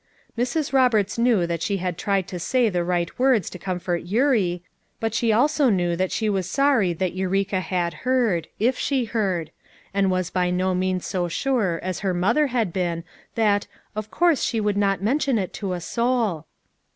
Mrs. Roberts knew that she had tried to say the right words to comfort Eurie, but she also FOUE MOTHERS AT CHAUTAUQUA 335 knew that she was sorry that Eureka had heard, — if she heard, and was by no means so sure as her mother had been that "of course she would not mention it to a soul."